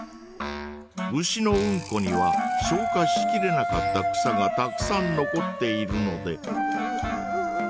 ウシのうんこには消化しきれなかった草がたくさん残っているので。